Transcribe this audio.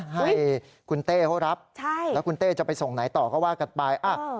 ให้คุณเต้เขารับแล้วคุณเต้จะไปส่งไหนต่อก็ว่ากันไป